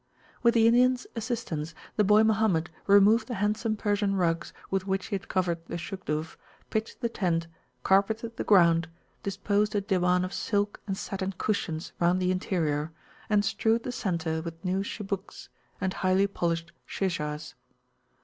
With the Indians assistance the boy Mohammed removed the handsome Persian rugs with which he had covered the Shugduf, pitched the tent, carpeted the ground, disposed a Diwan of silk and satin cushions round the interior, and strewed the centre with new Chibuks, and highly polished Shishahs.